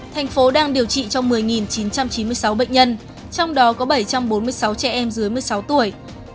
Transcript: thành phố đang điều trị trong một mươi chín trăm chín mươi sáu bệnh nhân trong đó có bảy trăm bốn mươi sáu trẻ em dưới một mươi sáu tuổi